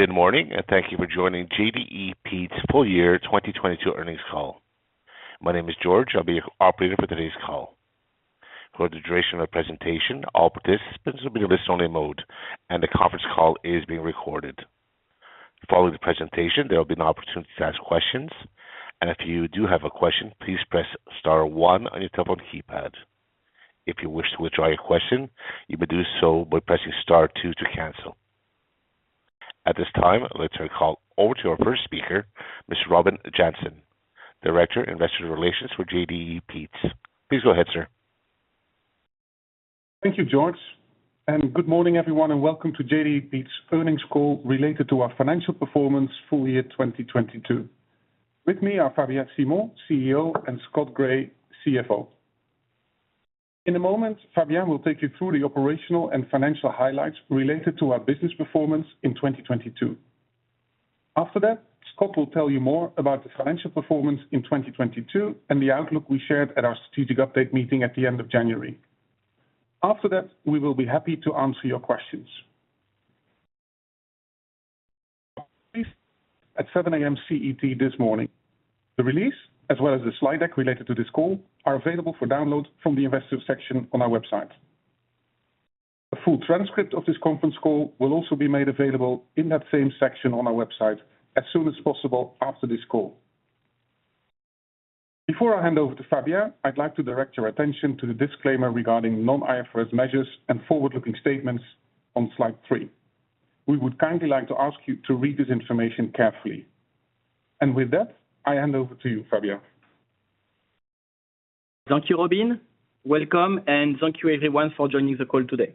Good morning, thank you for joining JDE Peet's full year 2022 earnings call. My name is George. I'll be your operator for today's call. For the duration of the presentation, all participants will be in listen only mode, and the conference call is being recorded. Following the presentation, there will be an opportunity to ask questions. If you do have a question, please press star one on your telephone keypad. If you wish to withdraw your question, you may do so by pressing star two to cancel. At this time, let's turn the call over to our first speaker, Mr. Robin Jansen, Director, Investor Relations for JDE Peet's. Please go ahead, sir. Thank you, George. Good morning, everyone. Welcome to JDE Peet's earnings call related to our financial performance full year 2022. With me are Fabien Simon, CEO, and Scott Gray, CFO. In a moment, Fabien will take you through the operational and financial highlights related to our business performance in 2022. After that, Scott will tell you more about the financial performance in 2022 and the outlook we shared at our strategic update meeting at the end of January. We will be happy to answer your questions. t 7:00 A.M. CET this morning. The release, as well as the slide deck related to this call, are available for download from the investor section on our website. A full transcript of this conference call will also be made available in that same section on our website as soon as possible after this call. Before I hand over to Fabien, I'd like to direct your attention to the disclaimer regarding non-IFRS measures and forward-looking statements on Slide 3. We would kindly like to ask you to read this information carefully. With that, I hand over to you, Fabien. Thank you, Robin. Welcome, and thank you everyone for joining the call today.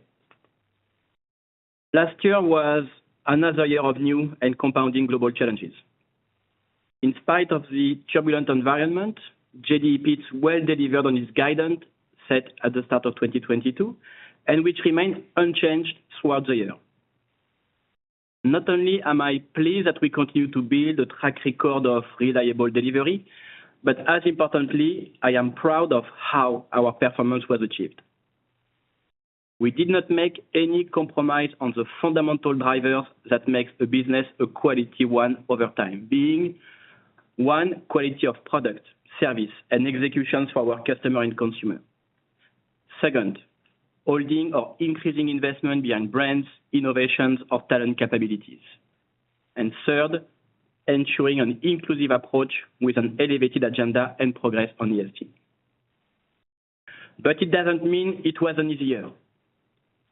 Last year was another year of new and compounding global challenges. In spite of the turbulent environment, JDE Peet's well delivered on its guidance set at the start of 2022, and which remains unchanged throughout the year. Not only am I pleased that we continue to build a track record of reliable delivery, but as importantly, I am proud of how our performance was achieved. We did not make any compromise on the fundamental drivers that makes a business a quality one over time, being, 1, quality of product, service, and executions for our customer and consumer. Second, holding or increasing investment behind brands, innovations or talent capabilities. Third, ensuring an inclusive approach with an elevated agenda and progress on ESG. It doesn't mean it was an easy year.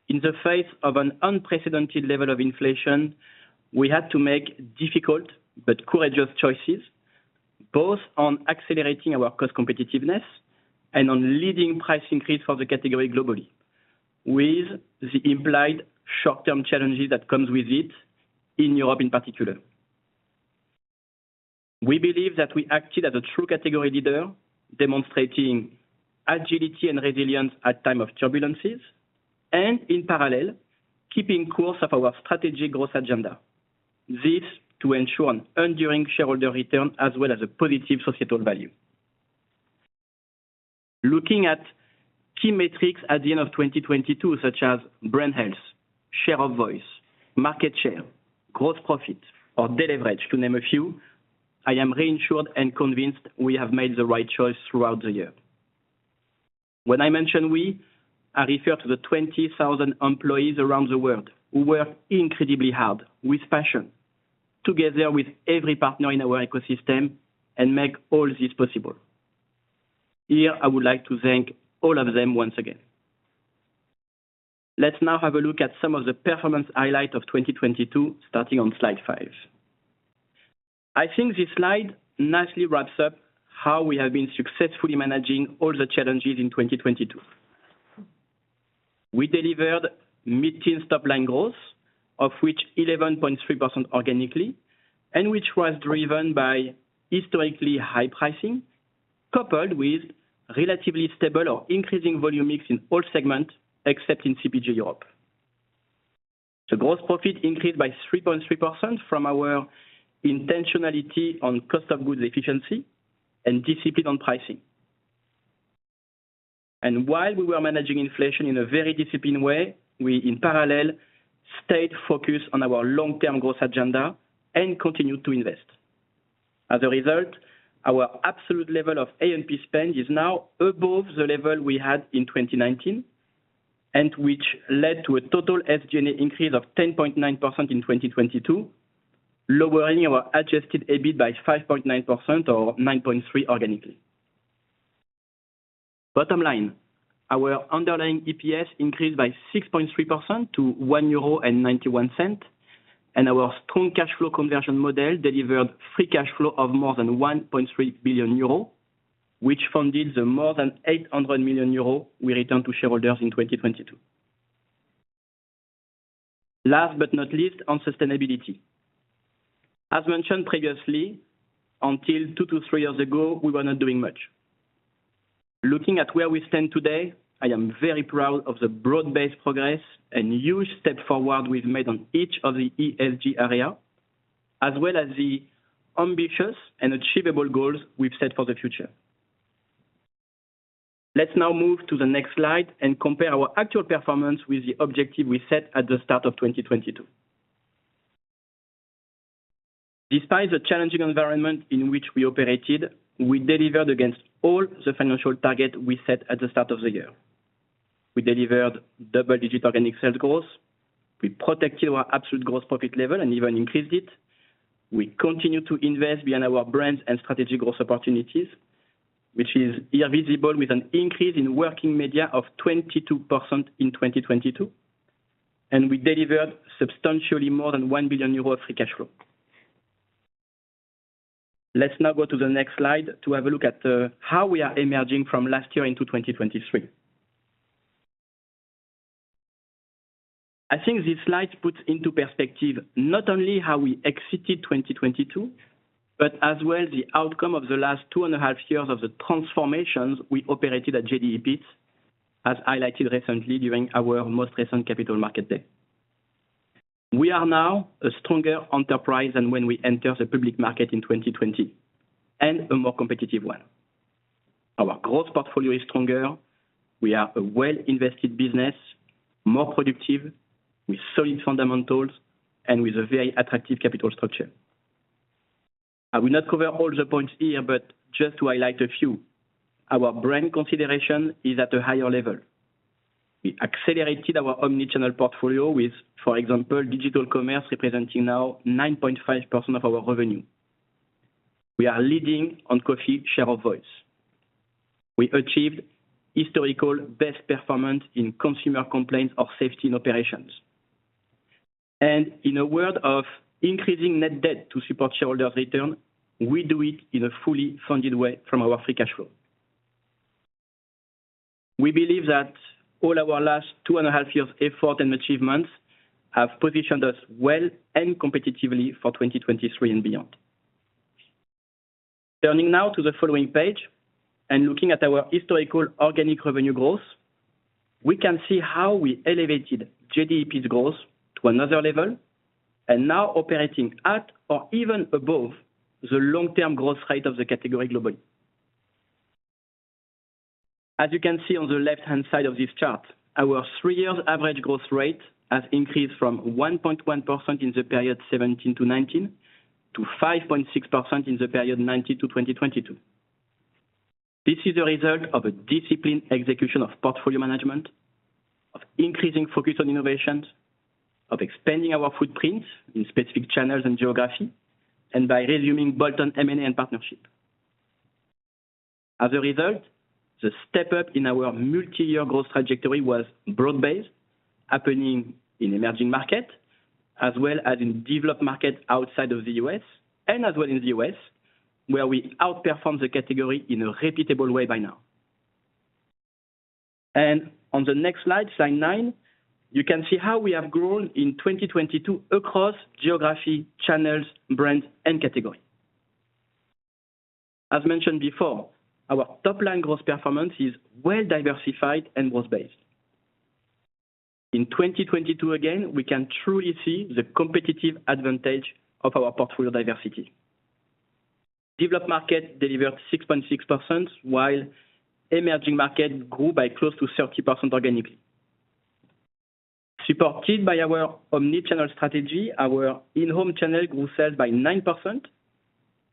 In the face of an unprecedented level of inflation, we had to make difficult but courageous choices, both on accelerating our cost competitiveness and on leading price increase for the category globally, with the implied short-term challenges that comes with it in Europe in particular. We believe that we acted as a true category leader, demonstrating agility and resilience at time of turbulences, and in parallel, keeping course of our strategic growth agenda. This to ensure an enduring shareholder return as well as a positive societal value. Looking at key metrics at the end of 2022, such as brand health, share of voice, market share, gross profit, or deleverage, to name a few, I am reassured and convinced we have made the right choice throughout the year. When I mention we, I refer to the 20,000 employees around the world who work incredibly hard with passion, together with every partner in our ecosystem, and make all this possible. Here, I would like to thank all of them once again. Let's now have a look at some of the performance highlight of 2022, starting on Slide 5. I think this slide nicely wraps up how we have been successfully managing all the challenges in 2022. We delivered mid-teen top-line growth, of which 11.3% organically, and which was driven by historically high pricing, coupled with relatively stable or increasing volume mix in all segments, except in CPG Europe. The gross profit increased by 3.3% from our intentionality on cost of goods efficiency and discipline on pricing. While we were managing inflation in a very disciplined way, we in parallel stayed focused on our long-term growth agenda and continued to invest. As a result, our absolute level of A&P spend is now above the level we had in 2019, and which led to a total SG&A increase of 10.9% in 2022, lowering our Adjusted EBIT by 5.9% or 9.3% organically. Bottom line, our underlying EPS increased by 6.3% to 1.91 euro, and our strong cash flow conversion model delivered free cash flow of more than 1.3 billion euro, which funded the more than 800 million euro we returned to shareholders in 2022. Last but not least, on sustainability. As mentioned previously, until two to three years ago, we were not doing much. Looking at where we stand today, I am very proud of the broad-based progress and huge step forward we've made on each of the ESG area, as well as the ambitious and achievable goals we've set for the future. Let's now move to the next slide and compare our actual performance with the objective we set at the start of 2022. Despite the challenging environment in which we operated, we delivered against all the financial target we set at the start of the year. We delivered double-digit organic sales growth. We protected our absolute gross profit level and even increased it. We continued to invest beyond our brands and strategic growth opportunities, which is here visible with an increase in working media of 22% in 2022, and we delivered substantially more than 1 billion euro of free cash flow. Let's now go to the next slide to have a look at how we are emerging from last year into 2023. I think this slide puts into perspective not only how we exited 2022, but as well the outcome of the last 2.5 years of the transformations we operated at JDE Peet's, as highlighted recently during our most recent Capital Markets Day. We are now a stronger enterprise than when we entered the public market in 2020, and a more competitive one. Our growth portfolio is stronger. We are a well-invested business, more productive, with solid fundamentals, and with a very attractive capital structure. I will not cover all the points here, but just to highlight a few, our brand consideration is at a higher level. We accelerated our omni-channel portfolio with, for example, digital commerce representing now 9.5% of our revenue. We are leading on coffee share of voice. We achieved historical best performance in consumer complaints of safety and operations. In a world of increasing net debt to support shareholders' return, we do it in a fully funded way from our free cash flow. We believe that all our last 2.5 Years' effort and achievements have positioned us well and competitively for 2023 and beyond. Turning now to the following page and looking at our historical organic revenue growth, we can see how we elevated JDE Peet's growth to another level and now operating at or even above the long-term growth rate of the category globally. As you can see on the left-hand side of this chart, our three-year average growth rate has increased from 1.1% in the period 2017-2019, to 5.6% in the period 2019-2022. This is a result of a disciplined execution of portfolio management, of increasing focus on innovations, of expanding our footprints in specific channels and geography, and by resuming bolt-on M&A partnership. As a result, the step up in our multi-year growth trajectory was broad-based, happening in emerging markets, as well as in developed markets outside of the U.S., and as well in the U.S., where we outperform the category in a repeatable way by now. On the next Slide 9, you can see how we have grown in 2022 across geography, channels, brands, and category. As mentioned before, our top-line growth performance is well diversified and was based. In 2022, again, we can truly see the competitive advantage of our portfolio diversity. Developed markets delivered 6.6%, while emerging markets grew by close to 30% organically. Supported by our omni-channel strategy, our in-home channel grew sales by 9%,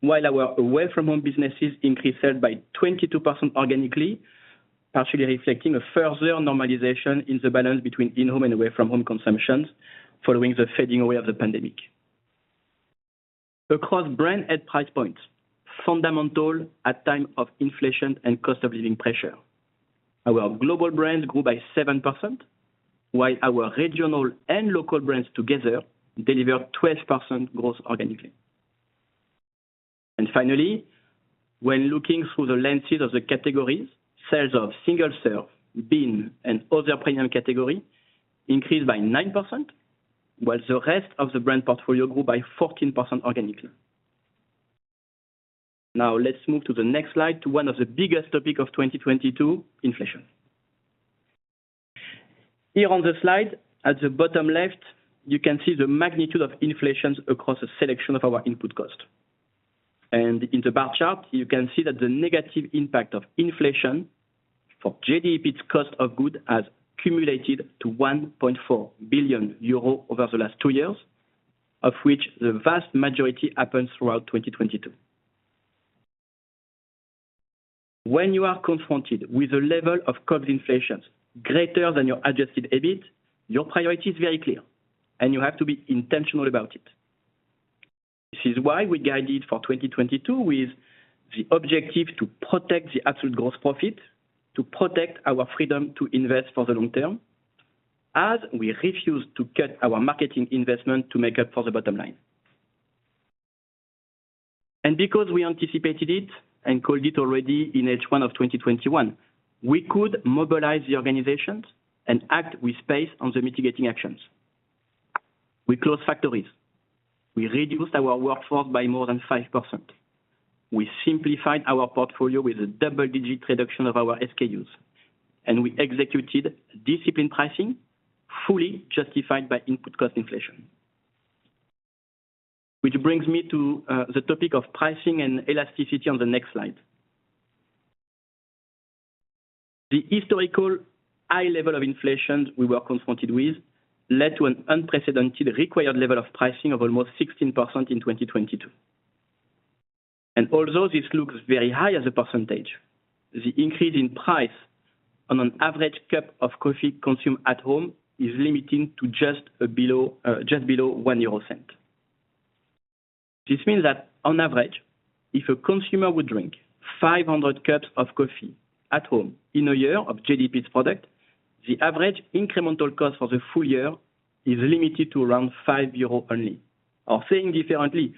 while our away-from-home businesses increased sales by 22% organically, partially reflecting a further normalization in the balance between in-home and away-from-home consumptions following the fading away of the pandemic. Across brand and price points, fundamental at time of inflation and cost of living pressure, our global brands grew by 7%, while our regional and local brands together delivered 12% growth organically. Finally, when looking through the lenses of the categories, sales of single-serve, bean, and other premium category increased by 9%, while the rest of the brand portfolio grew by 14% organically. Let's move to the next slide to one of the biggest topic of 2022: inflation. Here on the slide, at the bottom left, you can see the magnitude of inflations across a selection of our input cost. In the bar chart, you can see that the negative impact of inflation for JDE Peet's cost of good has cumulated to 1.4 billion euros over the last two years, of which the vast majority happened throughout 2022. When you are confronted with a level of cost inflations greater than your Adjusted EBIT, your priority is very clear, and you have to be intentional about it. This is why we guided for 2022 with the objective to protect the absolute gross profit, to protect our freedom to invest for the long term, as we refuse to cut our marketing investment to make up for the bottom line. Because we anticipated it and called it already in H1 of 2021, we could mobilize the organizations and act with pace on the mitigating actions. We closed factories. We reduced our workflow by more than 5%. We simplified our portfolio with a double-digit reduction of our SKUs, and we executed disciplined pricing, fully justified by input cost inflation. Which brings me to the topic of pricing and elasticity on the next slide. The historical high level of inflation we were confronted with led to an unprecedented required level of pricing of almost 16% in 2022. Although this looks very high as a percentage, the increase in price on an average cup of coffee consumed at home is limiting to just below 0.01 This means that on average, if a consumer would drink 500 cups of coffee at home in a year of JDE Peet's product, the average incremental cost for the full year is limited to around 5.00 euros only. Saying differently,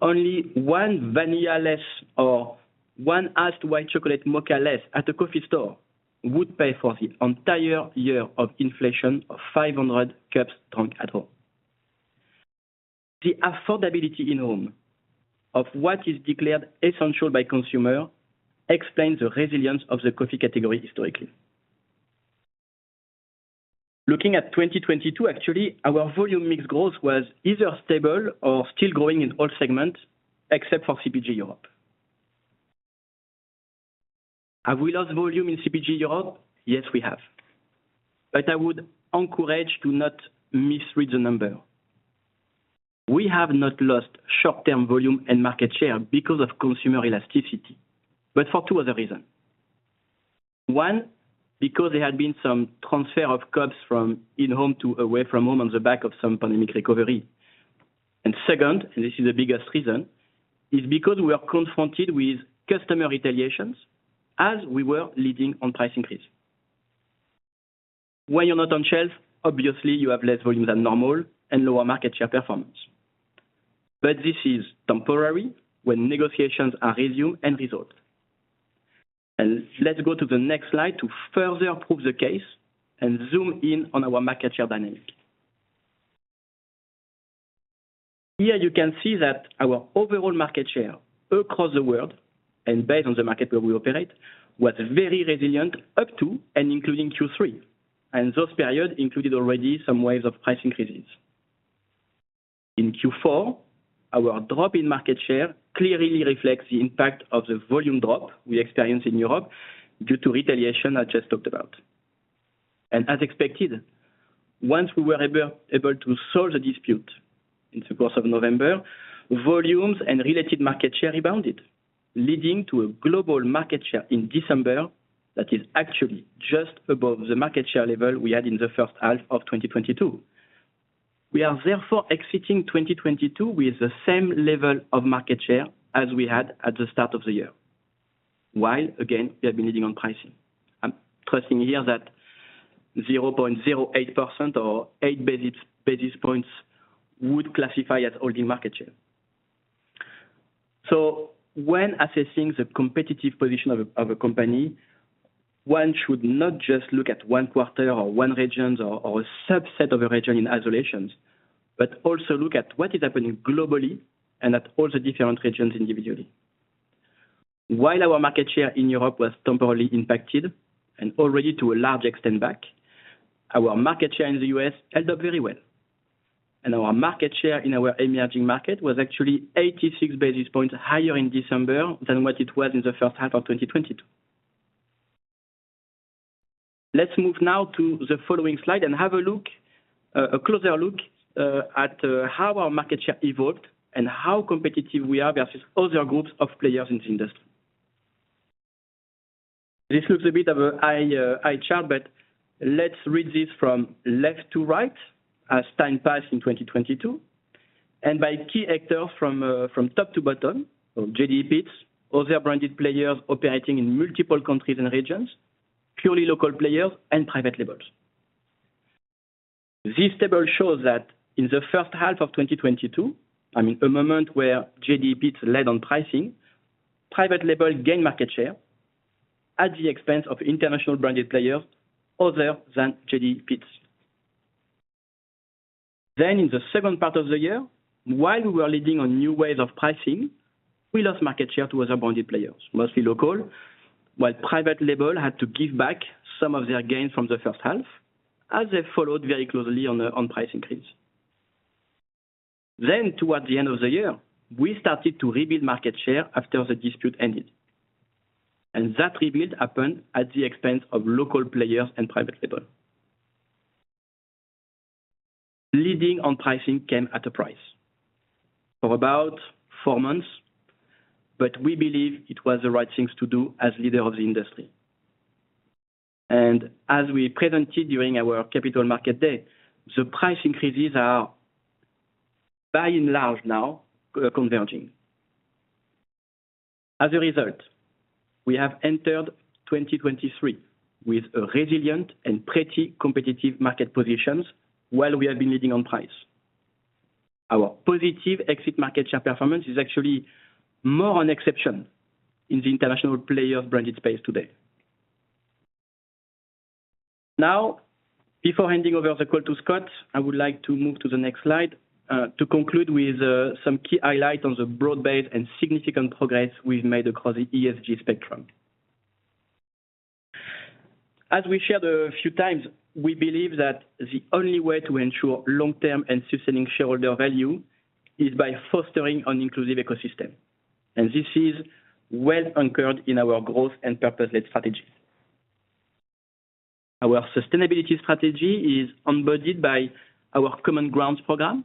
only one vanilla less or one iced white chocolate mocha less at a coffee store would pay for the entire year of inflation of 500 cups drunk at home. The affordability in home of what is declared essential by consumer explains the resilience of the coffee category historically. Looking at 2022, actually, our volume mixed growth was either stable or still growing in all segments except for CPG Europe. Have we lost volume in CPG Europe? Yes, we have. I would encourage to not misread the number. We have not lost short-term volume and market share because of consumer elasticity, but for two other reasons. One, because there had been some transfer of cups from in-home to away from home on the back of some pandemic recovery. Second, and this is the biggest reason, is because we are confronted with customer retaliations as we were leading on price increase. When you're not on shelf, obviously you have less volume than normal and lower market share performance. This is temporary when negotiations are resumed and resolved. Let's go to the next slide to further prove the case and zoom in on our market share dynamic. Here you can see that our overall market share across the world and based on the market where we operate, was very resilient up to and including Q3, and those period included already some waves of price increases. In Q4, our drop in market share clearly reflects the impact of the volume drop we experienced in Europe due to retaliation I just talked about. As expected, once we were able to solve the dispute in the course of November, volumes and related market share rebounded, leading to a global market share in December that is actually just above the market share level we had in the first half of 2022. We are therefore exiting 2022 with the same level of market share as we had at the start of the year, while again, we have been leading on pricing. I'm trusting here that 0.08% or 8 basis points would classify as holding market share. When assessing the competitive position of a company, one should not just look at one quarter or one regions or a subset of a region in isolations, but also look at what is happening globally and at all the different regions individually. While our market share in Europe was temporarily impacted and already to a large extent back, our market share in the U.S. held up very well. Our market share in our emerging market was actually 86 basis points higher in December than what it was in the first half of 2022. Let's move now to the following slide and have a closer look at how our market share evolved and how competitive we are versus other groups of players in the industry. This looks a bit of a high, high chart, but let's read this from left to right as time passed in 2022, and by key actors from top to bottom, so JDE Peet's, other branded players operating in multiple countries and regions, purely local players and private labels. This table shows that in the first half of 2022, I mean, a moment where JDE Peet's led on pricing, private label gained market share at the expense of international branded players other than JDE Peet's. In the second part of the year, while we were leading on new wave of pricing, we lost market share to other branded players, mostly local, while private label had to give back some of their gains from the first half, as they followed very closely on the price increase. Towards the end of the year, we started to rebuild market share after the dispute ended, and that rebuild happened at the expense of local players and private label. Leading on pricing came at a price for about four months, but we believe it was the right things to do as leader of the industry. As we presented during our Capital Markets Day, the price increases are by and large now co-converging. As a result, we have entered 2023 with a resilient and pretty competitive market positions while we have been leading on price. Our positive exit market share performance is actually more an exception in the international player branded space today. Before handing over the call to Scott, I would like to move to the next slide to conclude with some key highlights on the broad-based and significant progress we've made across the ESG spectrum. As we shared a few times, we believe that the only way to ensure long-term and sustaining shareholder value is by fostering an inclusive ecosystem. This is well anchored in our growth and purpose-led strategies. Our sustainability strategy is embodied by our Common Grounds program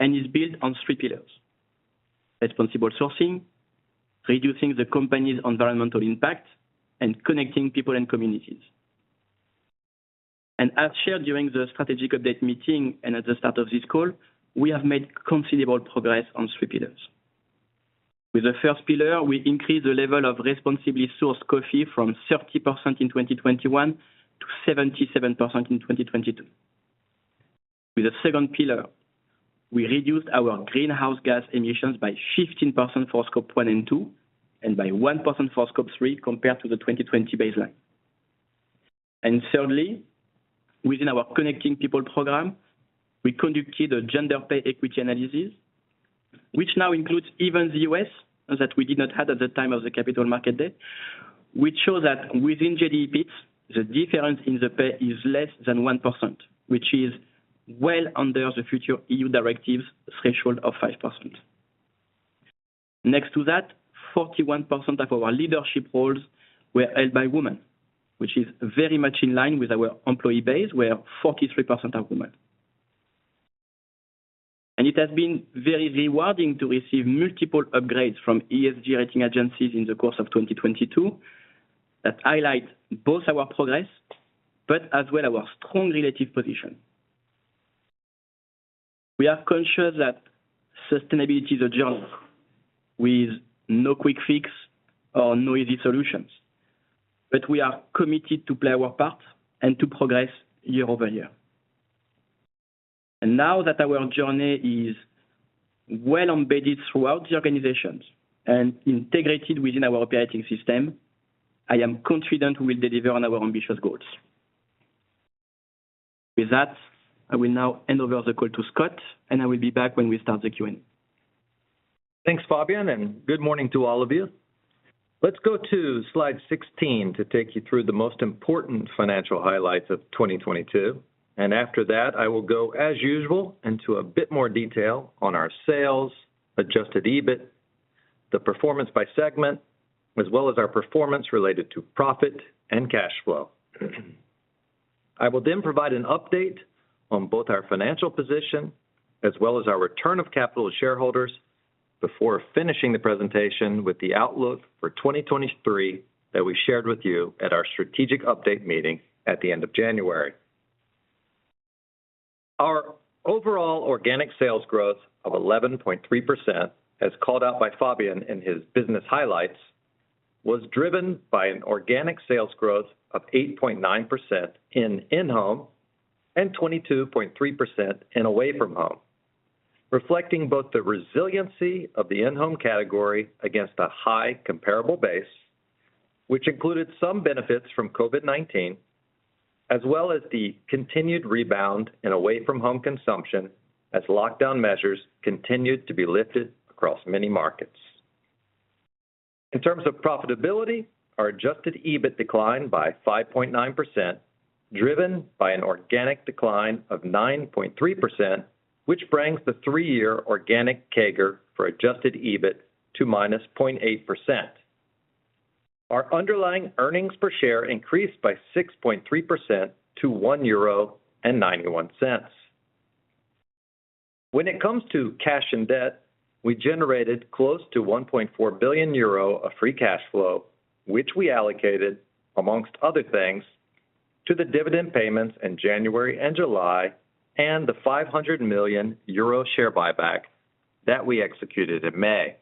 and is built on three pillars: responsible sourcing, reducing the company's environmental impact, and Connecting People and communities. As shared during the strategic update meeting and at the start of this call, we have made considerable progress on three pillars. With the first pillar, we increased the level of responsibly sourced coffee from 30% in 2021 to 77% in 2022. With the second pillar, we reduced our greenhouse gas emissions by 15% for Scope 1 and 2, and by 1% for Scope 3 compared to the 2020 baseline. Thirdly, within our Connecting People program, we conducted a gender pay equity analysis, which now includes even the U.S. that we did not have at the time of the Capital Markets Day, which shows that within JDE Peet's, the difference in the pay is less than 1%, which is well under the future EU directive's threshold of 5%. Next to that, 41% of our leadership roles were held by women, which is very much in line with our employee base, where 43% are women. It has been very rewarding to receive multiple upgrades from ESG rating agencies in the course of 2022 that highlight both our progress, but as well our strong relative position. We are conscious that sustainability is a journey with no quick fix or no easy solutions, but we are committed to play our part and to progress year-over-year. Now that our journey is well embedded throughout the organizations and integrated within our operating system, I am confident we will deliver on our ambitious goals. With that, I will now hand over the call to Scott, and I will be back when we start the Q&A. Thanks, Fabien. Good morning to all of you. Let's go to Slide 16 to take you through the most important financial highlights of 2022. After that, I will go, as usual, into a bit more detail on our sales, Adjusted EBIT, the performance by segment, as well as our performance related to profit and cash flow. I will then provide an update on both our financial position as well as our return of capital to shareholders before finishing the presentation with the outlook for 2023 that we shared with you at our strategic update meeting at the end of January. Our overall organic sales growth of 11.3%, as called out by Fabien in his business highlights, was driven by an organic sales growth of 8.9% in in-home and 22.3% in away from home, reflecting both the resiliency of the in-home category against a high comparable base, which included some benefits from COVID-19, as well as the continued rebound in away from home consumption as lockdown measures continued to be lifted across many markets. In terms of profitability, our Adjusted EBIT declined by 5.9%, driven by an organic decline of 9.3%, which brings the three-year organic CAGR for Adjusted EBIT to -0.8%. Our underlying earnings per share increased by 6.3% to 1.91 euro. When it comes to cash and debt, we generated close to 1.4 billion euro of free cash flow, which we allocated, among other things, to the dividend payments in January and July, and the 500 million euro share buyback that we executed in May.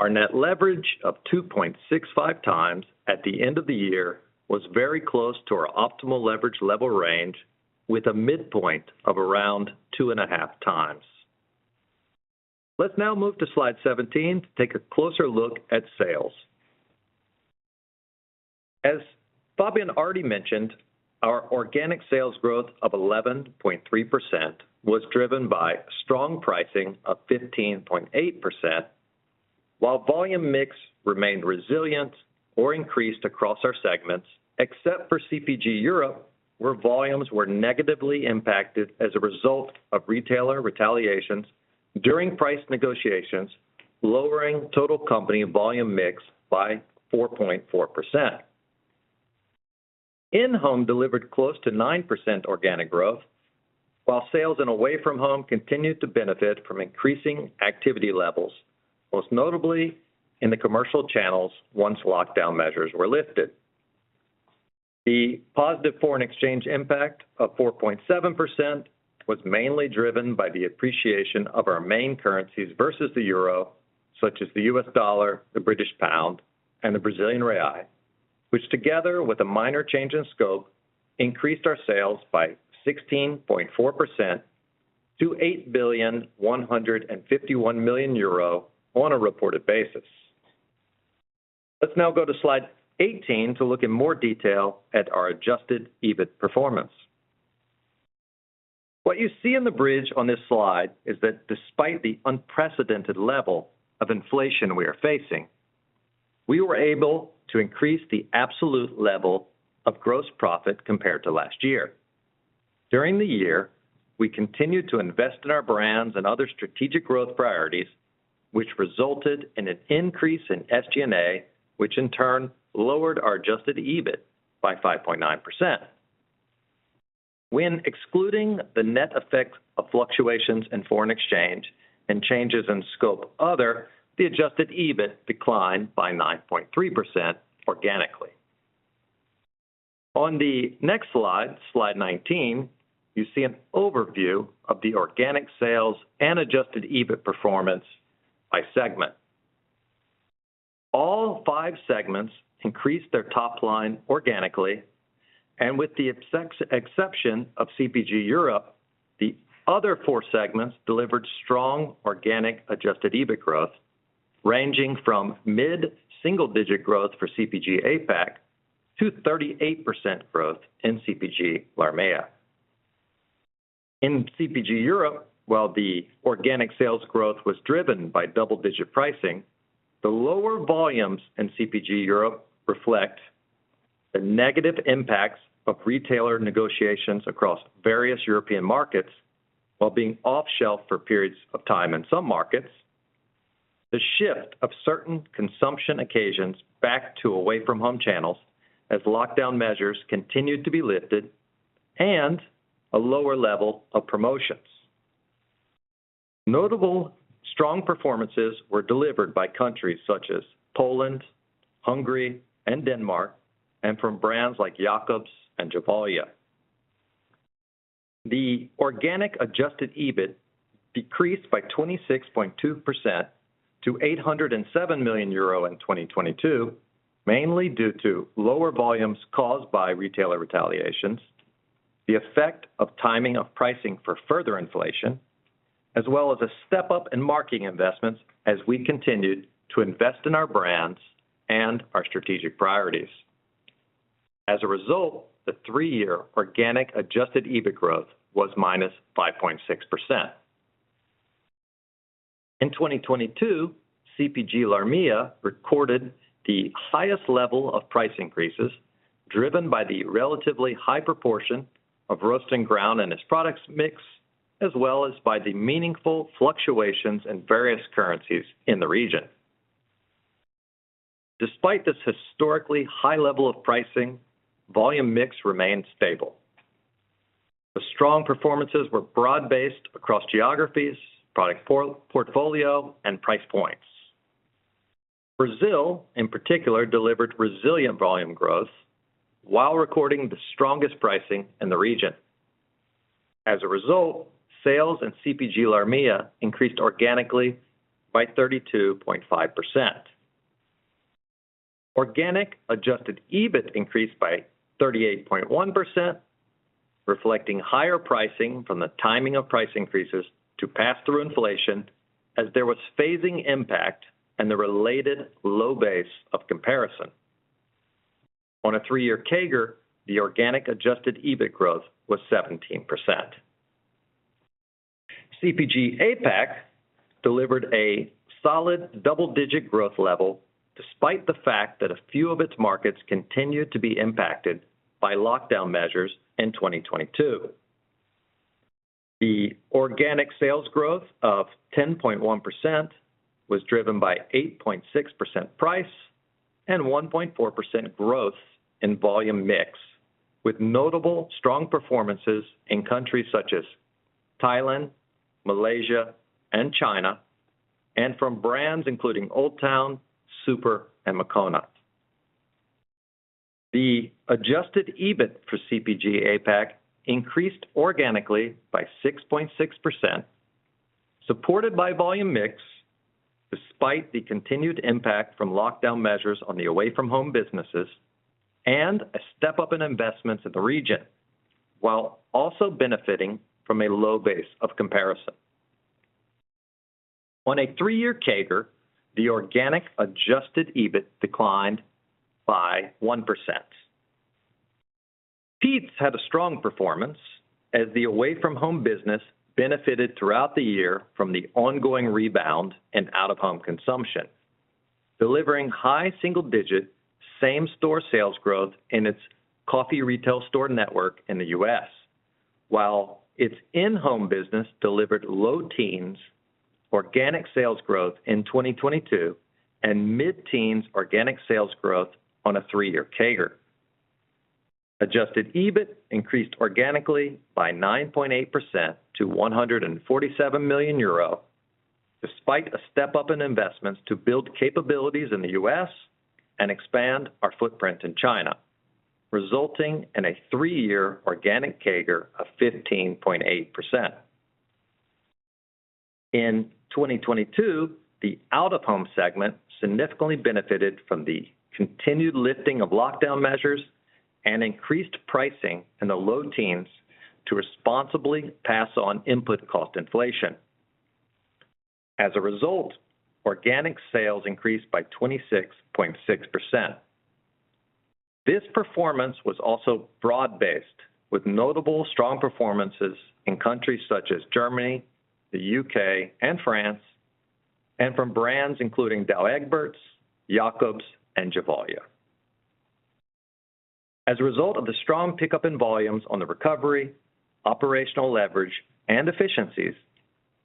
Our net leverage of 2.65x at the end of the year was very close to our optimal leverage level range with a midpoint of around 2.5x. Let's now move to Slide 17 to take a closer look at sales. As Fabien already mentioned, our organic sales growth of 11.3% was driven by strong pricing of 15.8%, while volume mix remained resilient or increased across our segments, except for CPG Europe, where volumes were negatively impacted as a result of retailer retaliations during price negotiations, lowering total company volume mix by 4.4%. In-home delivered close to 9% organic growth, while sales in away from home continued to benefit from increasing activity levels, most notably in the commercial channels once lockdown measures were lifted. The positive foreign exchange impact of 4.7% was mainly driven by the appreciation of our main currencies versus the euro, such as the U.S. dollar, the British pound, and the Brazilian real, which together with a minor change in scope, increased our sales by 16.4% to 8.151 billion euro on a reported basis. Let's now go to slide 18 to look in more detail at our Adjusted EBIT performance. What you see in the bridge on this slide is that despite the unprecedented level of inflation we are facing, we were able to increase the absolute level of gross profit compared to last year. During the year, we continued to invest in our brands and other strategic growth priorities, which resulted in an increase in SG&A, which in turn lowered our Adjusted EBIT by 5.9%. When excluding the net effects of fluctuations in foreign exchange and changes in scope Other, the Adjusted EBIT declined by 9.3% organically. On the next Slide 19, you see an overview of the organic sales and Adjusted EBIT performance by segment. All five segments increased their top line organically, and with the exception of CPG Europe, the other four segments delivered strong organic Adjusted EBIT growth, ranging from mid-single digit growth for CPG APAC to 38% growth in CPG LARMEA. In CPG Europe, while the organic sales growth was driven by double-digit pricing, the lower volumes in CPG Europe reflect the negative impacts of retailer negotiations across various European markets while being off-shelf for periods of time in some markets. The shift of certain consumption occasions back to away-from-home channels as lockdown measures continued to be lifted and a lower level of promotions. Notable strong performances were delivered by countries such as Poland, Hungary, and Denmark, and from brands like Jacobs and Gevalia. The organic Adjusted EBIT decreased by 26.2% to 807 million euro in 2022, mainly due to lower volumes caused by retailer retaliations, the effect of timing of pricing for further inflation, as well as a step-up in marketing investments as we continued to invest in our brands and our strategic priorities. As a result, the three-year organic Adjusted EBIT growth was -5.6%. In 2022, CPG LARMEA recorded the highest level of price increases driven by the relatively high proportion of roast and ground in its products mix, as well as by the meaningful fluctuations in various currencies in the region. Despite this historically high level of pricing, volume mix remained stable. The strong performances were broad-based across geographies, product portfolio, and price points. Brazil, in particular, delivered resilient volume growth while recording the strongest pricing in the region. As a result, sales in CPG LARMEA increased organically by 32.5%. Organic Adjusted EBIT increased by 38.1%, reflecting higher pricing from the timing of price increases to pass through inflation as there was phasing impact and the related low base of comparison. On a three-year CAGR, the organic Adjusted EBIT growth was 17%. CPG APAC delivered a solid double-digit growth level despite the fact that a few of its markets continued to be impacted by lockdown measures in 2022. The organic sales growth of 10.1% was driven by 8.6% price and 1.4% growth in volume mix, with notable strong performances in countries such as Thailand, Malaysia, and China, and from brands including OldTown, Super, and Moccona. The Adjusted EBIT for CPG APAC increased organically by 6.6%, supported by volume mix despite the continued impact from lockdown measures on the away-from-home businesses and a step-up in investments in the region, while also benefiting from a low base of comparison. On a three-year CAGR, the organic Adjusted EBIT declined by 1%. Peet's had a strong performance as the away-from-home business benefited throughout the year from the ongoing rebound in out-of-home consumption, delivering high single-digit same-store sales growth in its coffee retail store network in the U.S., while its in-home business delivered low teens organic sales growth in 2022 and mid-teens organic sales growth on a three-year CAGR. Adjusted EBIT increased organically by 9.8% to 147 million euro, despite a step-up in investments to build capabilities in the US and expand our footprint in China, resulting in a three-year organic CAGR of 15.8%. In 2022, the out-of-home segment significantly benefited from the continued lifting of lockdown measures and increased pricing in the low teens to responsibly pass on input cost inflation. As a result, organic sales increased by 26.6%. This performance was also broad-based, with notable strong performances in countries such as Germany, the U.K., and France, and from brands including Douwe Egberts, Jacobs, and Gevalia. As a result of the strong pickup in volumes on the recovery, operational leverage, and efficiencies,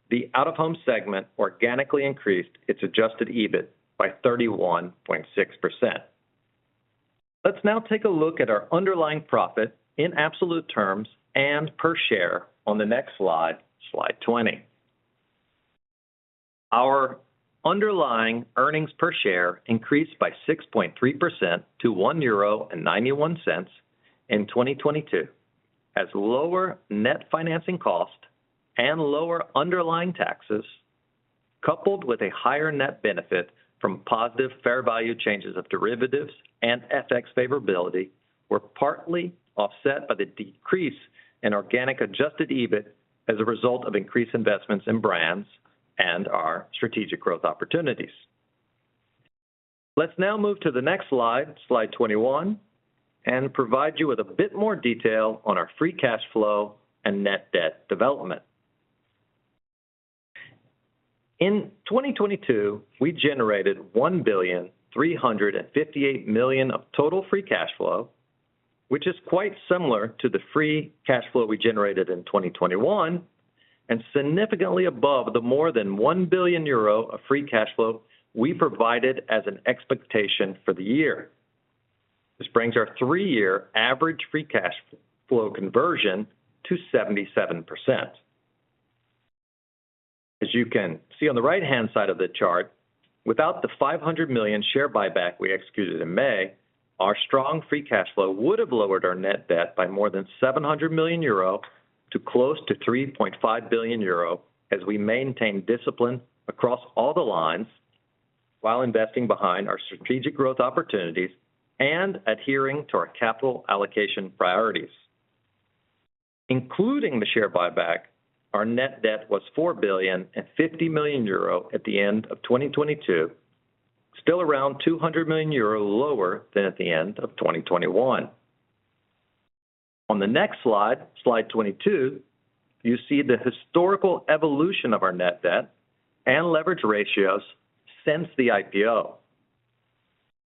the out-of-home segment organically increased its Adjusted EBIT by 31.6%. Let's now take a look at our underlying profit in absolute terms and per share on the next Slide 20. Our underlying earnings per share increased by 6.3% to 1.91 euro in 2022 as lower net financing cost and lower underlying taxes, coupled with a higher net benefit from positive fair value changes of derivatives and FX favorability, were partly offset by the decrease in organic Adjusted EBIT as a result of increased investments in brands and our strategic growth opportunities. Let's now move to the next Slide 21, and provide you with a bit more detail on our free cash flow and net debt development. In 2022, we generated 1.358 billion of total free cash flow, which is quite similar to the free cash flow we generated in 2021 and significantly above the more than 1 billion euro of free cash flow we provided as an expectation for the year. This brings our three-year average free cash flow conversion to 77%. As you can see on the right-hand side of the chart, without the 500 million share buyback we executed in May, our strong free cash flow would have lowered our net debt by more than 700 million euro to close to 3.5 billion euro as we maintain discipline across all the lines while investing behind our strategic growth opportunities and adhering to our capital allocation priorities. Including the share buyback, our net debt was 4.05 billion at the end of 2022, still around 200 million euro lower than at the end of 2021. On the next Slide 22, you see the historical evolution of our net debt and leverage ratios since the IPO.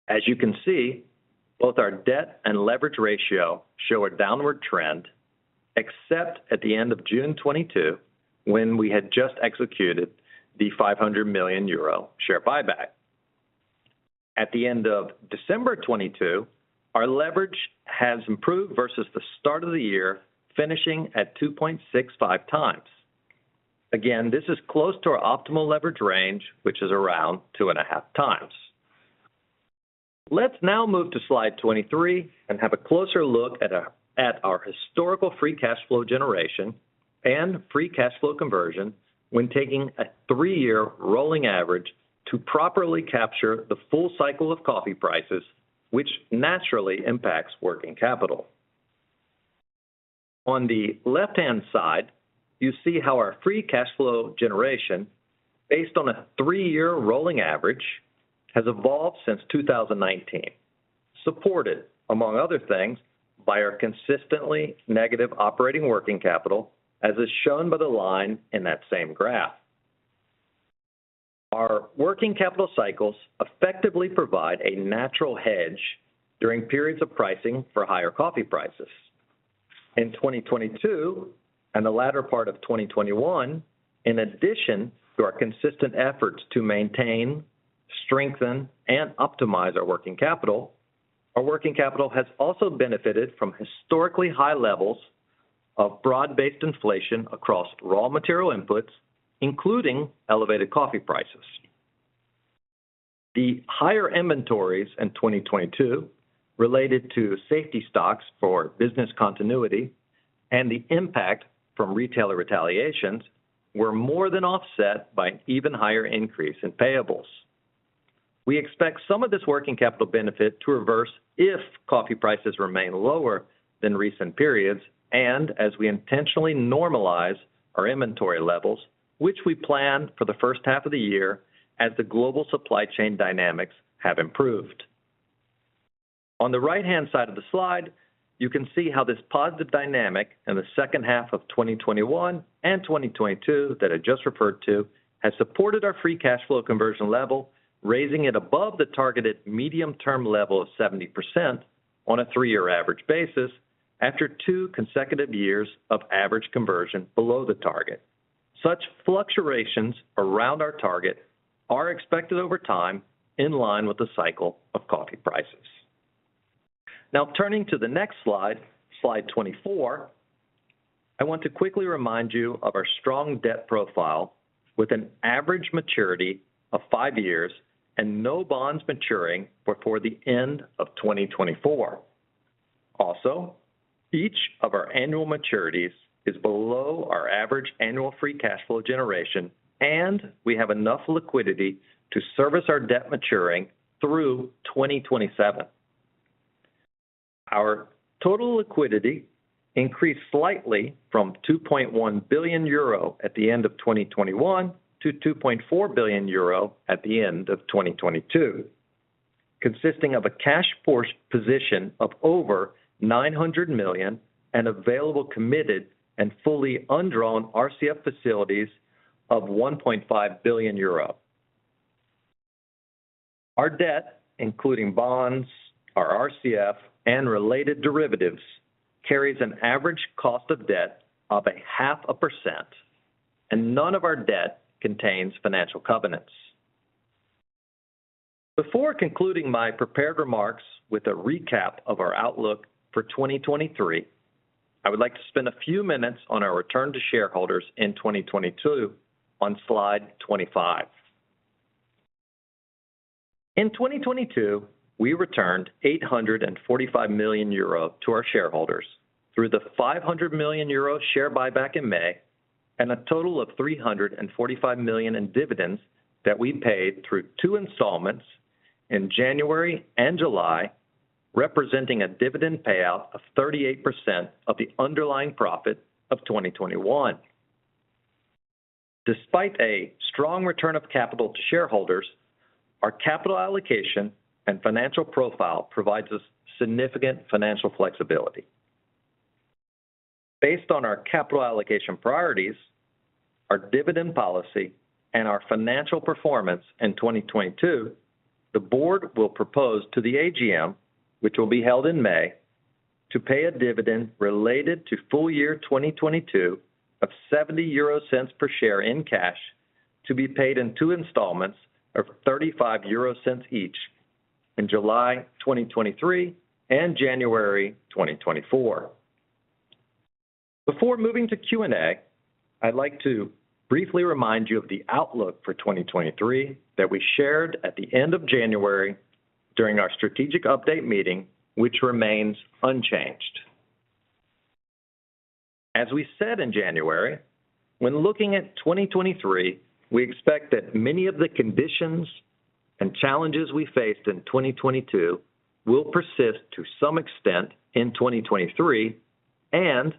As you can see, both our debt and leverage ratio show a downward trend, except at the end of June 2022, when we had just executed the 500 million euro share buyback. At the end of December 2022, our leverage has improved versus the start of the year, finishing at 2.65x. This is close to our optimal leverage range, which is around 2.5 times. Let's now move to Slide 23 and have a closer look at our historical free cash flow generation and free cash flow conversion when taking a three-year rolling average to properly capture the full cycle of coffee prices, which naturally impacts working capital. On the left-hand side, you see how our free cash flow generation, based on a three-year rolling average, has evolved since 2019, supported, among other things, by our consistently negative operating working capital, as is shown by the line in that same graph. Our working capital cycles effectively provide a natural hedge during periods of pricing for higher coffee prices. In 2022 and the latter part of 2021, in addition to our consistent efforts to maintain, strengthen, and optimize our working capital, our working capital has also benefited from historically high levels of broad-based inflation across raw material inputs, including elevated coffee prices. The higher inventories in 2022 related to safety stocks for business continuity and the impact from retailer retaliations were more than offset by an even higher increase in payables. We expect some of this working capital benefit to reverse if coffee prices remain lower than recent periods and as we intentionally normalize our inventory levels, which we plan for the first half of the year as the global supply chain dynamics have improved. On the right-hand side of the slide, you can see how this positive dynamic in the second half of 2021 and 2022 that I just referred to has supported our free cash flow conversion level, raising it above the targeted medium-term level of 70% on a three-year average basis after two consecutive years of average conversion below the target. Such fluctuations around our target are expected over time in line with the cycle of coffee prices. Now, turning to the next Slide 24, I want to quickly remind you of our strong debt profile with an average maturity of five years and no bonds maturing before the end of 2024. Each of our annual maturities is below our average annual free cash flow generation, and we have enough liquidity to service our debt maturing through 2027. Our total liquidity increased slightly from 2.1 billion euro at the end of 2021 to 2.4 billion euro at the end of 2022, consisting of a cash force position of over 900 million and available committed and fully undrawn RCF facilities of 1.5 billion euro. Our debt, including bonds, our RCF and related derivatives, carries an average cost of debt of 0.5%, and none of our debt contains financial covenants. Before concluding my prepared remarks with a recap of our outlook for 2023, I would like to spend a few minutes on our return to shareholders in 2022 on Slide 25. In 2022, we returned 845 million euro to our shareholders through the 500 million euro share buyback in May, and a total of 345 million in dividends that we paid through two installments in January and July, representing a dividend payout of 38% of the underlying profit of 2021. Despite a strong return of capital to shareholders, our capital allocation and financial profile provides us significant financial flexibility. Based on our capital allocation priorities, our dividend policy and our financial performance in 2022, the board will propose to the AGM, which will be held in May, to pay a dividend related to full year 2022 of 0.70 per share in cash to be paid in two installments of 0.35 each in July 2023 and January 2024. Before moving to Q&A, I'd like to briefly remind you of the outlook for 2023 that we shared at the end of January during our strategic update meeting, which remains unchanged. As we said in January, when looking at 2023, we expect that many of the conditions and challenges we faced in 2022 will persist to some extent in 2023, and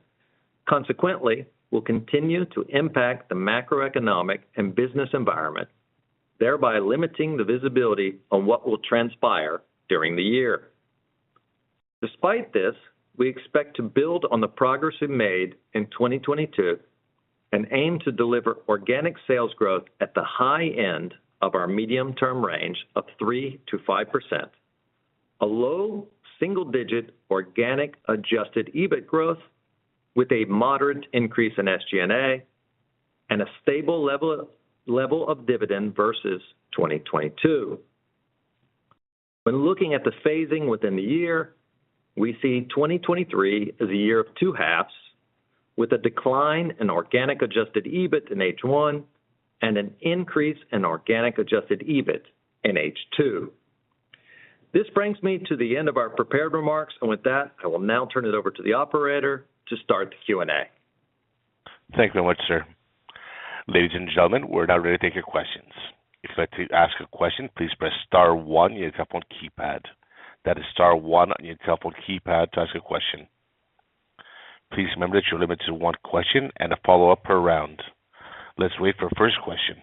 consequently will continue to impact the macroeconomic and business environment, thereby limiting the visibility on what will transpire during the year. Despite this, we expect to build on the progress we've made in 2022 and aim to deliver organic sales growth at the high end of our medium-term range of 3%-5%. A low single digit organic Adjusted EBIT growth with a moderate increase in SG&A and a stable level of dividend versus 2022. When looking at the phasing within the year, we see 2023 as a year of two halves with a decline in organic Adjusted EBIT in H1 and an increase in organic Adjusted EBIT in H2. This brings me to the end of our prepared remarks, and with that, I will now turn it over to the operator to start the Q&A. Thank you very much, sir. Ladies and gentlemen, we're now ready to take your questions. If you'd like to ask a question, please press star one on your telephone keypad. That is star one on your telephone keypad to ask a question. Please remember that you're limited to one question and a follow-up per round. Let's wait for the first question.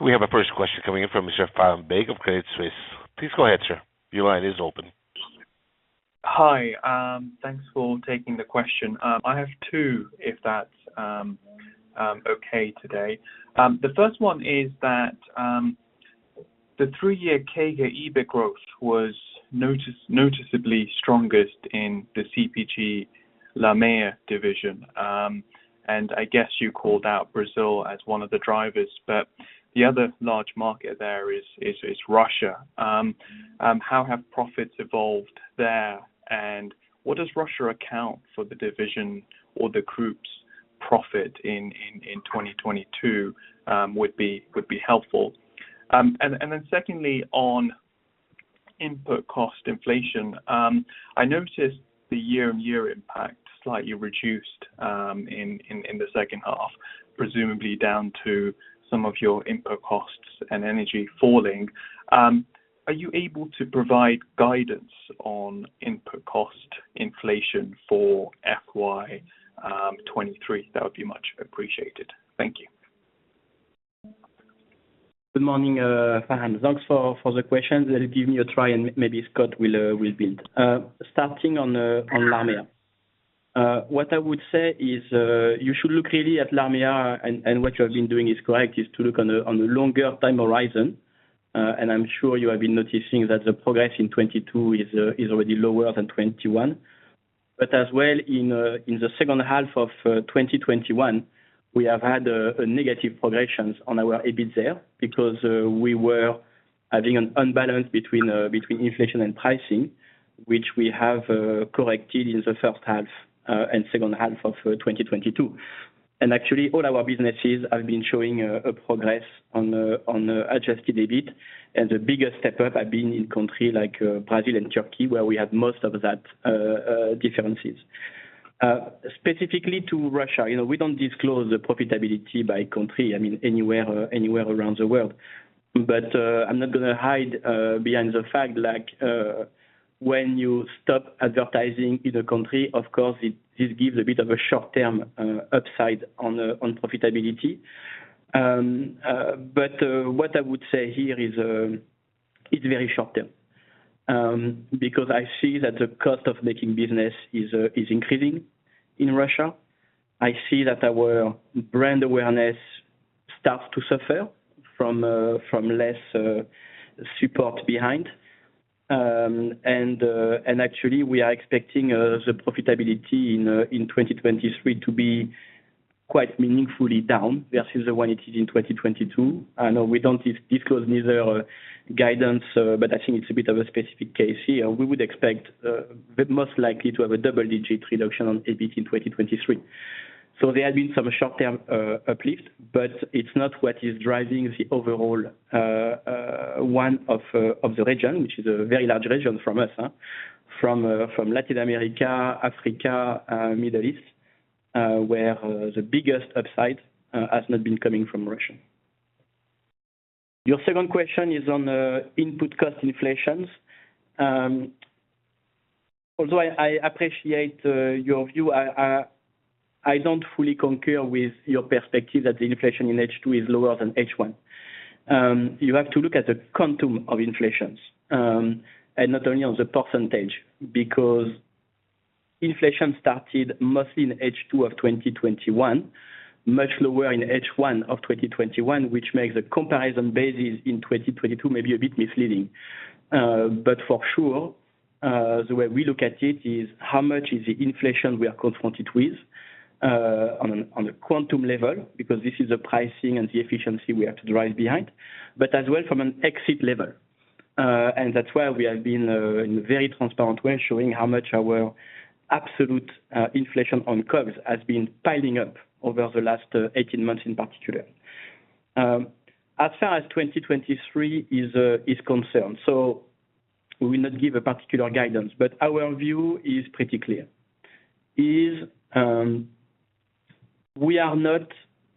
We have our first question coming in from Mr. Faham Baig of Credit Suisse. Please go ahead, sir. Your line is open. Hi, thanks for taking the question. I have two if that's okay today. The first one is that the three-year CAGR EBIT growth was noticeably strongest in the CPG LARMEA division. I guess you called out Brazil as one of the drivers, but the other large market there is Russia. How have profits evolved there, and what does Russia account for the division or the group's profit in 2022, would be helpful. Secondly, on input cost inflation, I noticed the year-on-year impact slightly reduced in the second half, presumably down to some of your input costs and energy falling. Are you able to provide guidance on input cost inflation for FY 2023? That would be much appreciated. Thank you. Good morning, Faham. Thanks for the questions. Let me give me a try, and maybe Scott will build. Starting on LARMEA. What I would say is, you should look really at LARMEA, and what you have been doing is correct, is to look on a longer time horizon. I'm sure you have been noticing that the progress in 2022 is already lower than 2021. As well in the second half of 2021, we have had a negative progressions on our EBIT there because we were having an unbalance between inflation and pricing, which we have corrected in the first half and second half of 2022. Actually, all our businesses have been showing a progress on Adjusted EBIT. The biggest step up have been in country like Brazil and Turkey, where we have most of that differences. Specifically to Russia, you know, we don't disclose the profitability by country, I mean, anywhere around the world. I'm not gonna hide behind the fact like, when you stop advertising in a country, of course, it gives a bit of a short-term upside on the profitability. What I would say here is, it's very short-term. I see that the cost of making business is increasing in Russia. I see that our brand awareness starts to suffer from less support behind. Actually, we are expecting the profitability in 2023 to be quite meaningfully down versus the one it is in 2022. I know we don't disclose neither guidance, but I think it's a bit of a specific case here. We would expect, but most likely to have a double-digit reduction on EBIT in 2023. There have been some short-term uplift, but it's not what is driving the overall one of the region, which is a very large region from us, from Latin America, Africa, Middle East, where the biggest upside has not been coming from Russia. Your second question is on input cost inflations. Although I appreciate your view, I don't fully concur with your perspective that the inflation in H2 is lower than H1. You have to look at the quantum of inflations and not only on the %. Inflation started mostly in H2 of 2021, much lower in H1 of 2021, which makes the comparison basis in 2022 maybe a bit misleading. For sure, the way we look at it is how much is the inflation we are confronted with on a quantum level because this is the pricing and the efficiency we have to drive behind, but as well from an exit level. That's why we have been in a very transparent way showing how much our absolute inflation on curves has been piling up over the last 18 months in particular. As far as 2023 is concerned, we will not give a particular guidance, but our view is pretty clear, is, we are not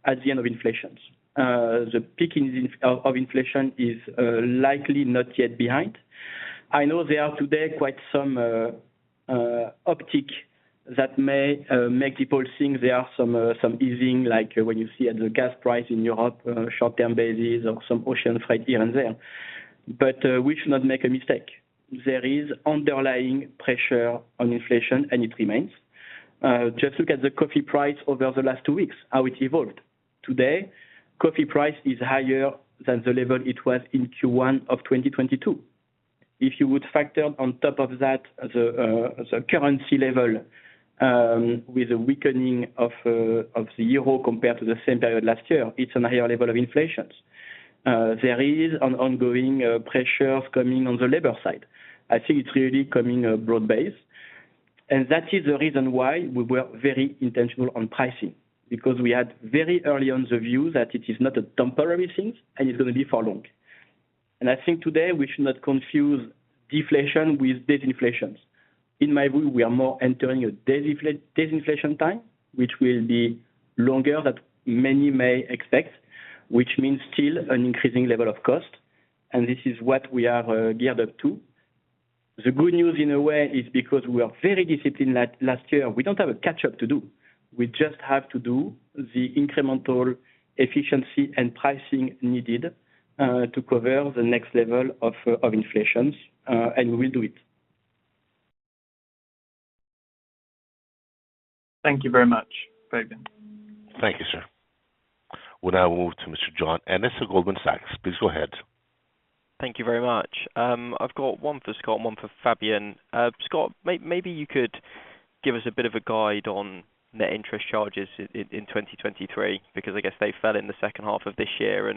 at the end of inflations. The peak of inflation is likely not yet behind. I know there are today quite some uptick that may make people think there are some easing, like when you see at the gas price in Europe, short-term basis or some ocean freight here and there. We should not make a mistake. There is underlying pressure on inflation, and it remains. Just look at the coffee price over the last two weeks, how it evolved. Today, coffee price is higher than the level it was in Q1 of 2022. If you would factor on top of that the currency level, with the weakening of the euro compared to the same period last year, it's an higher level of inflation. There is an ongoing pressure coming on the labor side. I think it's really coming a broad base. That is the reason why we were very intentional on pricing because we had very early on the view that it is not a temporary thing, and it's gonna be for long. I think today we should not confuse deflation with disinflation. In my view, we are more entering a disinflation time, which will be longer that many may expect, which means still an increasing level of cost, and this is what we are geared up to. The good news in a way is because we are very disciplined last year, we don't have a catch-up to do. We just have to do the incremental efficiency and pricing needed to cover the next level of inflation, and we will do it. Thank you very much, Fabien. Thank you, sir. We'll now move to Mr. John Ennis of Goldman Sachs. Please go ahead. Thank you very much. I've got one for Scott and one for Fabien. Scott, maybe you could give us a bit of a guide on net interest charges in 2023 because I guess they fell in the second half of this year.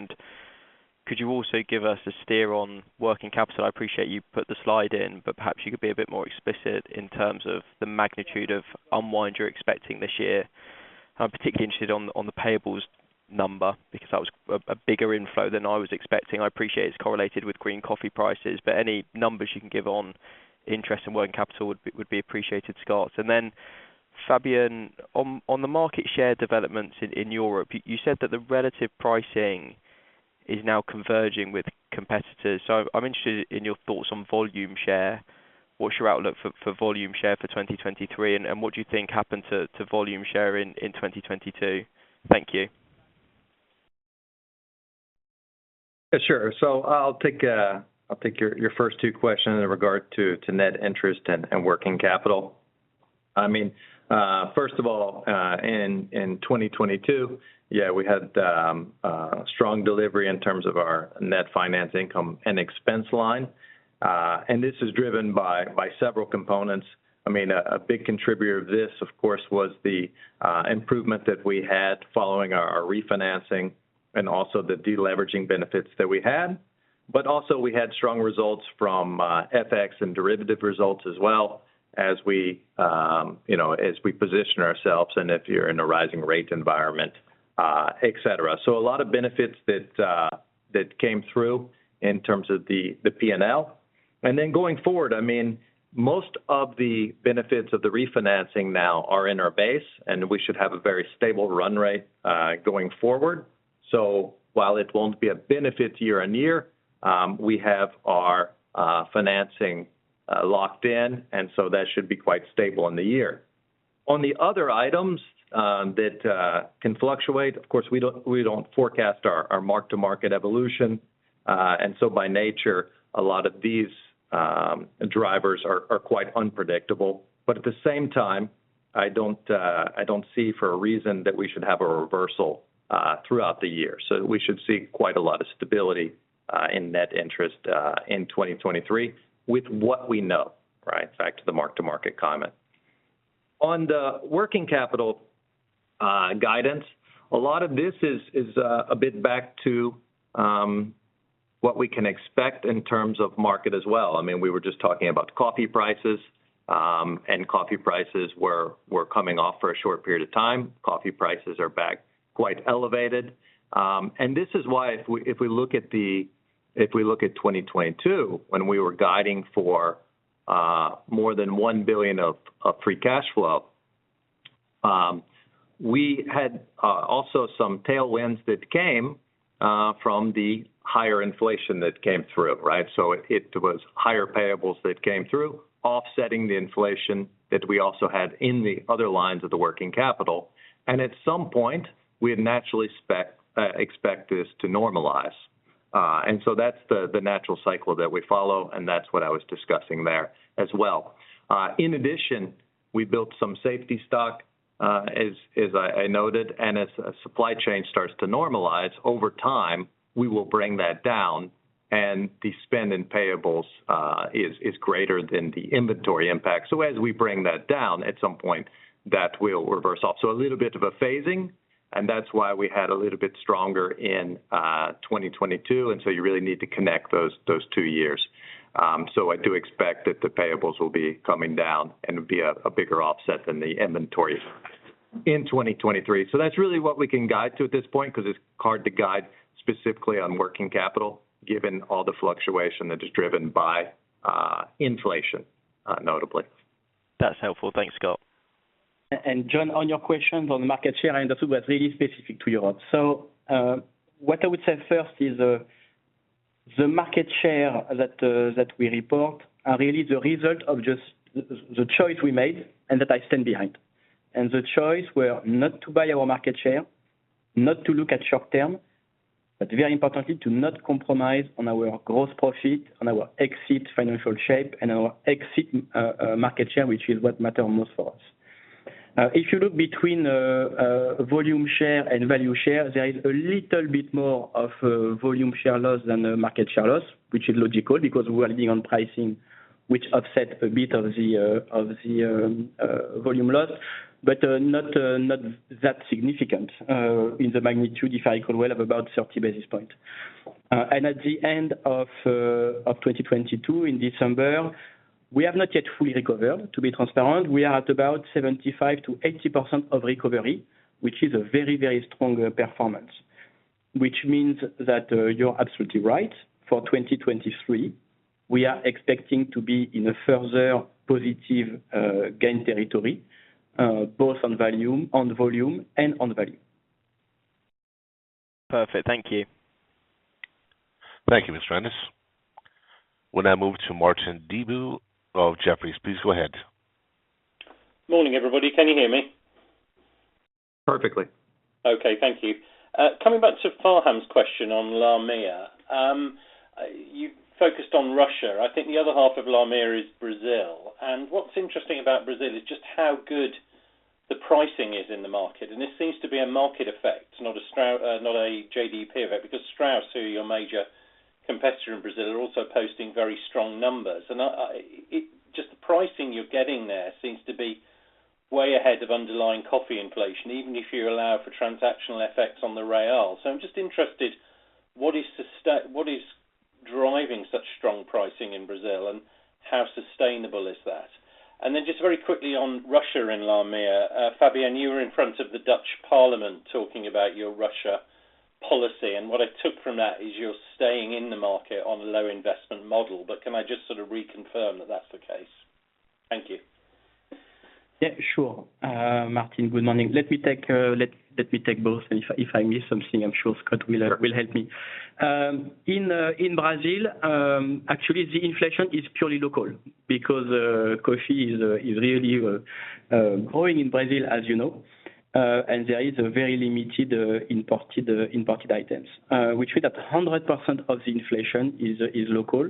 Could you also give us a steer on working capital? I appreciate you put the slide in, but perhaps you could be a bit more explicit in terms of the magnitude of unwind you're expecting this year. I'm particularly interested on the payables number because that was a bigger inflow than I was expecting. I appreciate it's correlated with green coffee prices, but any numbers you can give on interest and working capital would be appreciated, Scott. Fabien, on the market share developments in Europe, you said that the relative pricing is now converging with competitors. I'm interested in your thoughts on volume share. What's your outlook for volume share for 2023? What do you think happened to volume share in 2022? Thank you. Sure. I'll take your first two questions in regard to net interest and working capital. I mean, first of all, in 2022, we had strong delivery in terms of our net finance income and expense line. This is driven by several components. I mean, a big contributor of this, of course, was the improvement that we had following our refinancing and also the deleveraging benefits that we had. Also we had strong results from FX and derivative results as well as we, you know, as we position ourselves and if you're in a rising rate environment, etc. A lot of benefits that came through in terms of the P&L. Going forward, I mean, most of the benefits of the refinancing now are in our base, and we should have a very stable run rate going forward. While it won't be a benefit year-on-year, we have our financing locked in, and so that should be quite stable in the year. On the other items that can fluctuate, of course, we don't, we don't forecast our mark-to-market evolution, and so by nature, a lot of these drivers are quite unpredictable. At the same time, I don't, I don't see for a reason that we should have a reversal throughout the year. We should see quite a lot of stability in net interest in 2023 with what we know, right? Back to the mark-to-market comment. On the working capital guidance, a lot of this is a bit back to what we can expect in terms of market as well. I mean, we were just talking about coffee prices, and coffee prices were coming off for a short period of time. Coffee prices are back quite elevated. This is why if we look at 2022, when we were guiding for more than 1 billion of free cash flow, we had also some tailwinds that came from the higher inflation that came through, right? It was higher payables that came through, offsetting the inflation that we also had in the other lines of the working capital. At some point, we naturally expect this to normalize. That's the natural cycle that we follow, and that's what I was discussing there as well. In addition, we built some safety stock, as I noted, and as supply chain starts to normalize over time, we will bring that down and the spend in payables is greater than the inventory impact. As we bring that down, at some point, that will reverse off. A little bit of a phasing, and that's why we had a little bit stronger in 2022, you really need to connect those two years. I do expect that the payables will be coming down and be a bigger offset than the inventory in 2023. That's really what we can guide to at this point, 'cause it's hard to guide specifically on working capital, given all the fluctuation that is driven by inflation, notably. That's helpful. Thanks, Scott. John, on your questions on market share, I understood it was really specific to Europe. What I would say first is, the market share that we report are really the result of just the choice we made and that I stand behind. The choice were not to buy our market share, not to look at short term, but very importantly, to not compromise on our gross profit, on our exit financial shape and our exit market share, which is what matter most for us. If you look between volume share and value share, there is a little bit more of volume share loss than the market share loss, which is logical because we're leaning on pricing which offset a bit of the volume loss, but not that significant in the magnitude, if I recall well, of about 30 basis points. And at the end of 2022 in December, we have not yet fully recovered, to be transparent. We are at about 75%-80% of recovery, which is a very, very strong performance, which means that you're absolutely right. For 2023, we are expecting to be in a further positive gain territory, both on volume and on value. Perfect. Thank you. Thank you, Mr. Ennis. We now move to Martin Deboo of Jefferies. Please go ahead. Morning, everybody. Can you hear me? Perfectly. Okay. Thank you. Coming back to Faham's question on LARMEA. You focused on Russia. I think the other half of LARMEA is Brazil. What's interesting about Brazil is just how good the pricing is in the market. This seems to be a market effect, not a JDEP effect, because Strauss, who are your major competitor in Brazil, are also posting very strong numbers. Just the pricing you're getting there seems to be way ahead of underlying coffee inflation, even if you allow for transactional effects on the Brazilian real. I'm just interested, what is driving such strong pricing in Brazil, and how sustainable is that? Then just very quickly on Russia and LARMEA, Fabien, you were in front of the Dutch Parliament talking about your Russia policy, and what I took from that is you're staying in the market on a low investment model. Can I just sort of reconfirm that that's the case? Thank you. Yeah, sure. Martin, good morning. Let me take both, and if I, if I miss something, I'm sure Scott will help me. In Brazil, actually, the inflation is purely local because coffee is really growing in Brazil, as you know. There is a very limited imported items, which means that 100% of the inflation is local.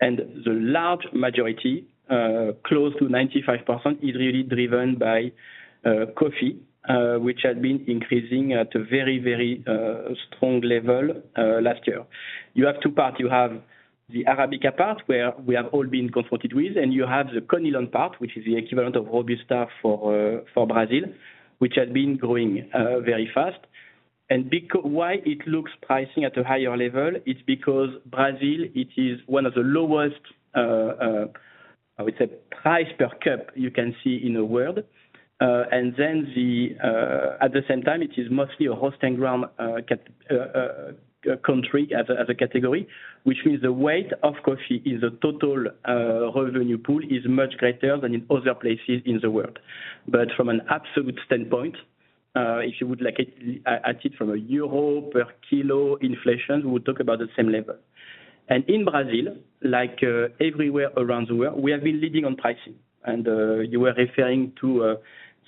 The large majority, close to 95%, is really driven by coffee, which had been increasing at a very, very strong level last year. You have two part. You have the Arabica part where we have all been confronted with, and you have the Conilon part, which is the equivalent of Robusta for Brazil, which has been growing very fast. Why it looks pricing at a higher level, it's because Brazil, it is one of the lowest, I would say price per cup you can see in the world. At the same time, it is mostly a hosting ground country as a category, which means the weight of coffee is a total revenue pool is much greater than in other places in the world. From an absolute standpoint, if you would like it at it from a euro per kilo inflation, we would talk about the same level. In Brazil, like everywhere around the world, we have been leading on pricing. You were referring to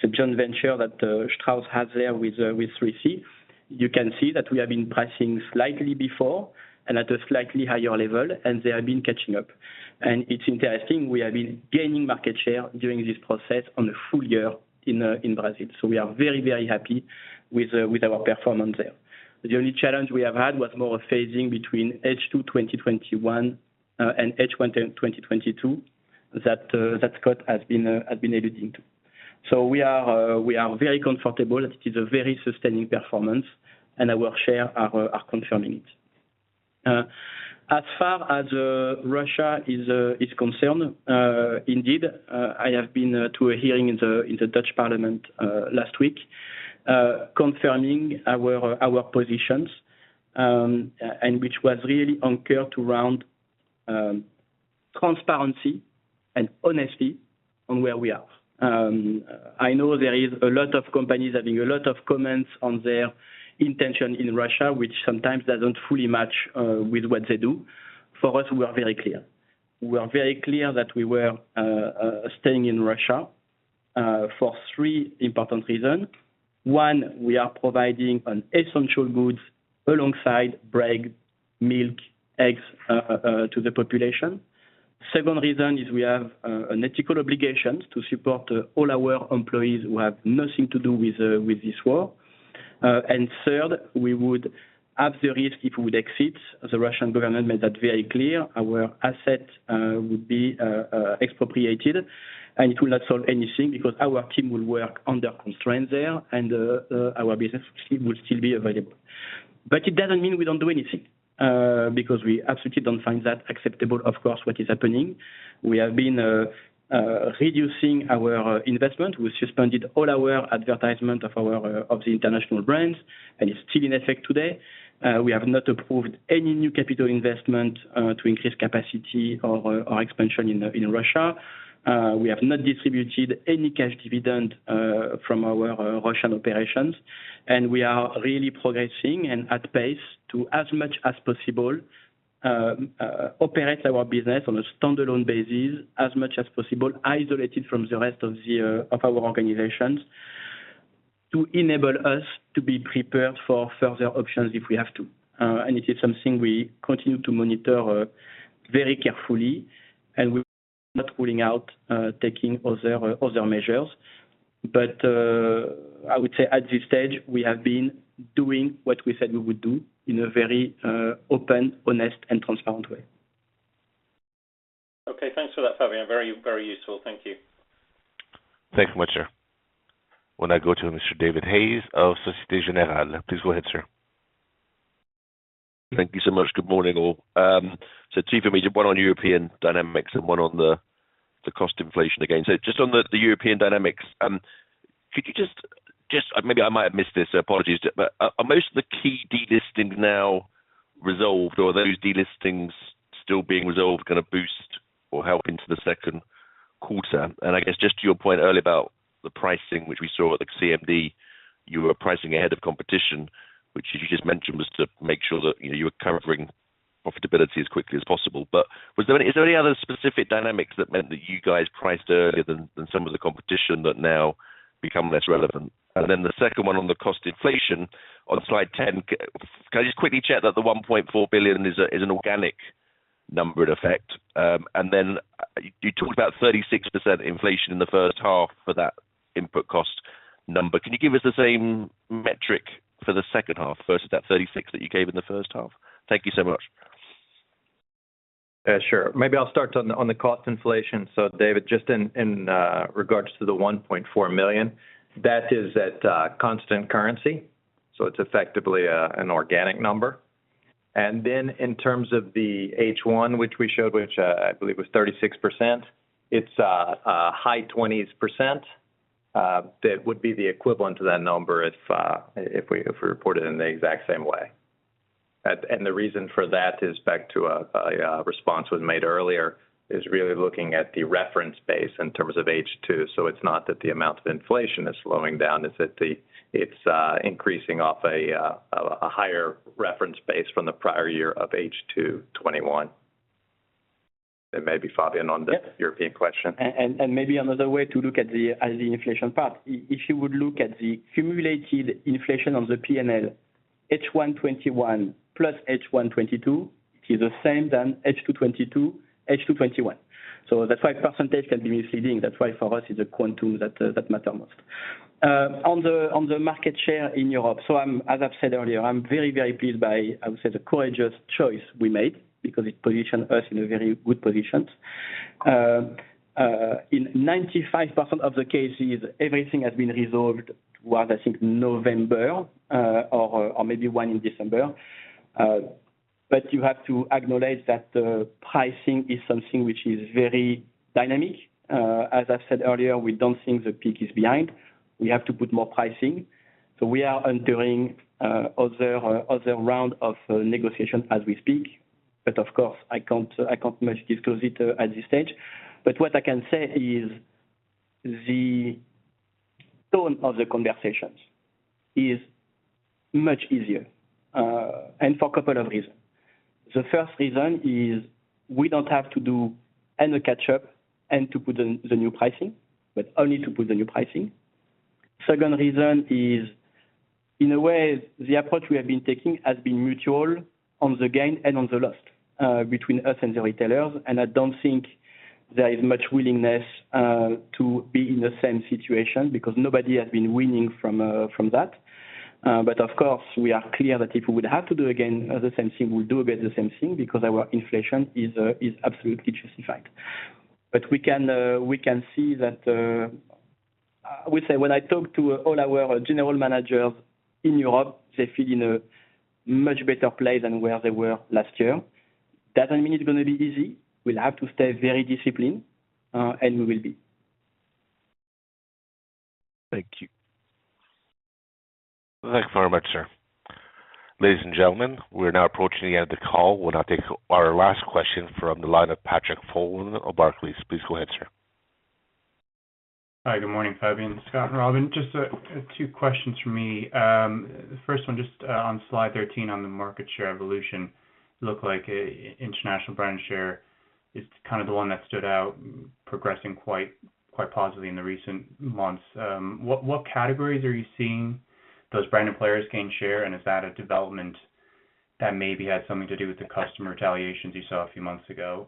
the joint venture that Strauss has there with with 3C. You can see that we have been pricing slightly before and at a slightly higher level, they have been catching up. It's interesting, we have been gaining market share during this process on the full year in Brazil. We are very, very happy with our performance there. The only challenge we have had was more phasing between H2 2021 and H1 2022 that that cut has been has been added into. We are very comfortable. It is a very sustaining performance, and our share are confirming it. As far as Russia is concerned, indeed, I have been to a hearing in the Dutch Parliament last week, confirming our positions, which was really anchored around transparency and honesty on where we are. I know there is a lot of companies having a lot of comments on their intention in Russia, which sometimes doesn't fully match with what they do. For us, we are very clear. We are very clear that we were staying in Russia for three important reasons. One, we are providing an essential goods alongside bread, milk, eggs, to the population. Second reason is we have an ethical obligation to support all our employees who have nothing to do with this war. Third, we would have the risk if we would exit. The Russian government made that very clear. Our assets would be expropriated, and it will not solve anything because our team will work under constraint there and our business will still be available. It doesn't mean we don't do anything because we absolutely don't find that acceptable, of course, what is happening. We have been reducing our investment. We suspended all our advertisement of our of the international brands, and it's still in effect today. We have not approved any new capital investment to increase capacity or expansion in Russia. We have not distributed any cash dividend from our Russian operations, and we are really progressing and at pace to as much as possible operate our business on a standalone basis as much as possible, isolated from the rest of our organizations to enable us to be prepared for further options if we have to. It is something we continue to monitor very carefully, and we're not ruling out taking other measures. I would say at this stage, we have been doing what we said we would do in a very open, honest, and transparent way. Okay. Thanks for that, Fabien. Very, very useful. Thank you. Thanks much, sir. We'll now go to Mr. David Hayes of Société Générale. Please go ahead, sir. Thank you so much. Good morning, all. Two for me, one on European dynamics and one on the cost inflation again. Just on the European dynamics, could you just... Maybe I might have missed this, so apologies. Are most of the key delistings now resolved, or are those delistings still being resolved gonna boost or help into the second quarter? I guess just to your point earlier about the pricing, which we saw at the CMD, you were pricing ahead of competition, which you just mentioned was to make sure that, you know, you were covering profitability as quickly as possible. Is there any other specific dynamics that meant that you guys priced earlier than some of the competition that now become less relevant? The second one on the cost inflation on Slide 10, can I just quickly check that the 1.4 billion is an organic number in effect? You talked about 36% inflation in the first half for that input cost number. Can you give us the same metric for the second half versus that 36% that you gave in the first half? Thank you so much. Sure. Maybe I'll start on the, on the cost inflation. David, just in, regards to the 1.4 million, that is at, constant currency, so it's effectively, an organic number. Then in terms of the H1, which we showed, which, I believe was 36%, it's, high 20s%, that would be the equivalent to that number if we, if we report it in the exact same way. The reason for that is back to a, response was made earlier, is really looking at the reference base in terms of H2. So it's not that the amount of inflation is slowing down, it's increasing off a higher reference base from the prior year of H2 2021. Maybe, Fabien, on the- Yeah. -European question. Maybe another way to look at the inflation part, if you would look at the cumulated inflation on the P&L H1 2021 plus H1 2022 is the same than H2 2022, H2 2021. That's why % can be misleading. That's why for us it's a quantum that matter most. On the market share in Europe. I'm, as I've said earlier, I'm very pleased by, I would say, the courageous choice we made because it position us in a very good positions. In 95% of the cases, everything has been resolved to what I think November, or maybe one in December. You have to acknowledge that the pricing is something which is very dynamic. As I said earlier, we don't think the peak is behind. We have to put more pricing. We are entering other round of negotiations as we speak. Of course, I can't much disclose it at this stage. What I can say is the tone of the conversations is much easier and for a couple of reasons. The first reason is we don't have to do any catch up and to put in the new pricing, but only to put the new pricing. Second reason is, in a way, the approach we have been taking has been mutual on the gain and on the loss between us and the retailers, and I don't think there is much willingness to be in the same situation because nobody has been winning from that. Of course, we are clear that if we would have to do again the same thing, we'll do again the same thing because our inflation is absolutely justified. We can see that I would say, when I talk to all our general managers in Europe, they feel in a much better place than where they were last year. That doesn't mean it's gonna be easy. We'll have to stay very disciplined, and we will be. Thank you. Thanks very much, sir. Ladies and gentlemen, we're now approaching the end of the call. We'll now take our last question from the line of Patrick Folan of Barclays. Please go ahead, sir. Hi, good morning, Fabien, Scott, and Robin. Just two questions from me. The first one just on Slide 13 on the market share evolution, look like international brand share is kind of the one that stood out progressing quite positively in the recent months. What categories are you seeing those brand new players gain share? Is that a development that maybe had something to do with the customer retaliations you saw a few months ago?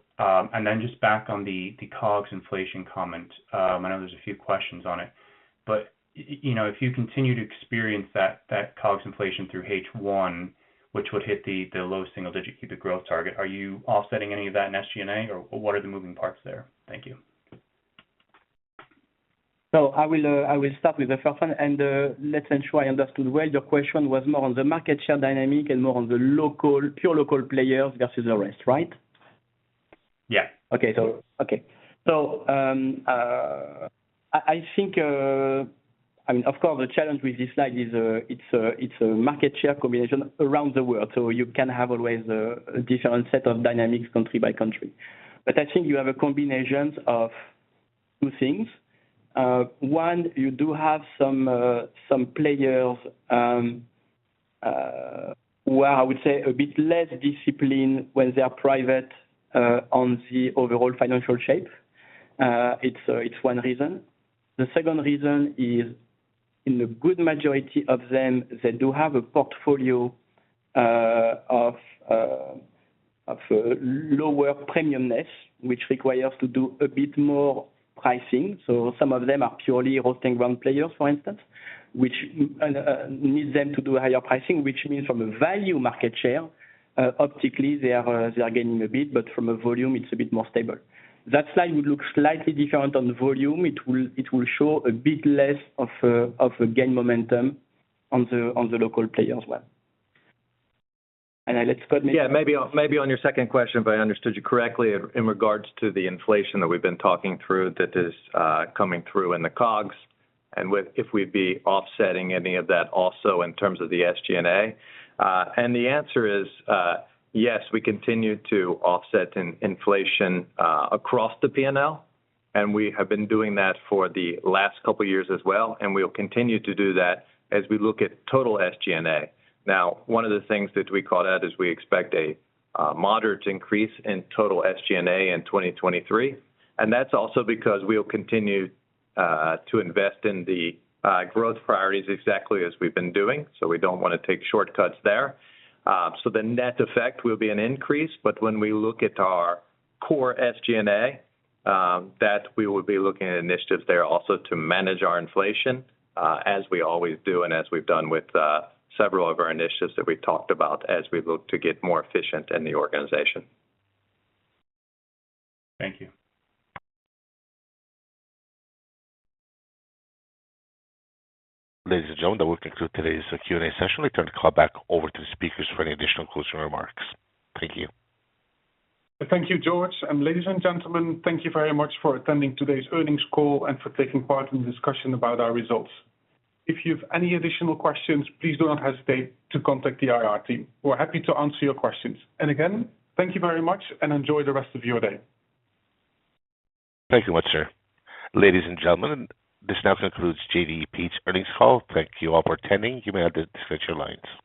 Just back on the COGS inflation comment, I know there's a few questions on it, but you know, if you continue to experience that COGS inflation through H1, which would hit the low single digit EBITDA growth target, are you offsetting any of that in SG&A or what are the moving parts there? Thank you. I will start with the first one, and let's ensure I understood well. Your question was more on the market share dynamic and more on the local, pure local players versus the rest, right? Yeah. Okay. Okay. I think, I mean, of course, the challenge with this slide is, it's a market share combination around the world. You can have always a different set of dynamics country by country. I think you have a combinations of two things. One, you do have some players where I would say a bit less disciplined when they are private on the overall financial shape. It's one reason. The second reason is in a good majority of them, they do have a portfolio of lower premiumness, which requires to do a bit more pricing. Some of them are purely roast and ground players, for instance, which needs them to do higher pricing, which means from a value market share, optically, they are gaining a bit, but from a volume, it's a bit more stable. That slide would look slightly different on volume. It will show a bit less of a gain momentum on the local player as well. Maybe on your second question, if I understood you correctly, in regards to the inflation that we've been talking through that is coming through in the COGS if we'd be offsetting any of that also in terms of the SG&A? The answer is yes, we continue to offset inflation across the P&L, and we have been doing that for the last couple of years as well, and we'll continue to do that as we look at total SG&A. One of the things that we call out is we expect a moderate increase in total SG&A in 2023, that's also because we'll continue to invest in the growth priorities exactly as we've been doing. We don't wanna take shortcuts there. The net effect will be an increase, but when we look at our core SG&A, that we will be looking at initiatives there also to manage our inflation, as we always do and as we've done with, several of our initiatives that we've talked about as we look to get more efficient in the organization. Thank you. Ladies and gentlemen, that will conclude today's Q&A session. We turn the call back over to the speakers for any additional closing remarks. Thank you. Thank you, George. Ladies and gentlemen, thank you very much for attending today's earnings call and for taking part in the discussion about our results. If you have any additional questions, please do not hesitate to contact the IR team. We're happy to answer your questions. Again, thank you very much and enjoy the rest of your day. Thank you much, sir. Ladies and gentlemen, this now concludes JDE Peet's earnings call. Thank you all for attending. You may disconnect your lines.